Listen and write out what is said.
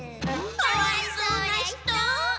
かわいそうな人！